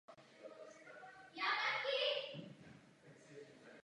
Následně ve skupině hrál až do své smrti.